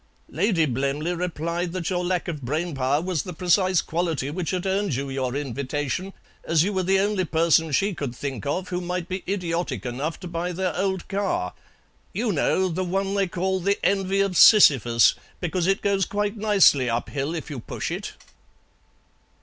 Lady Blemley replied that your lack of brain power was the precise quality which had earned you your invitation, as you were the only person she could think of who might be idiotic enough to buy their old car. You know, the one they call 'The Envy of Sisyphus,' because it goes quite nicely up hill if you push it."